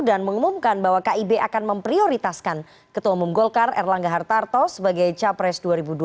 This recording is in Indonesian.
dan mengumumkan bahwa kib akan memprioritaskan ketua umum golkar erlangga hartarto sebagai capres dua ribu dua puluh empat